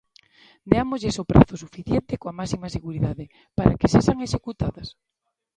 Deámoslles o prazo suficiente, coa máxima seguridade, para que sexan executadas.